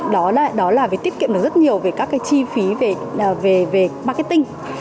đó là về tiết kiệm được rất nhiều về các cái chi phí về marketing